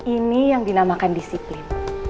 ini yang dinamakan disiplin